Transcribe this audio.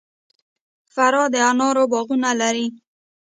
فراه د انارو باغونه لري